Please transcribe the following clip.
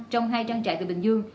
trong hai trang trại từ bình dương